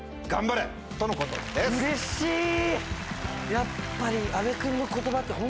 やっぱり。